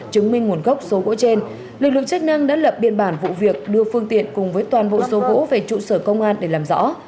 chứng minh nguồn gốc số gỗ trên lực lượng chức năng đã lập biên bản vụ việc đưa phương tiện cùng với toàn bộ số gỗ về trụ sở công an để làm rõ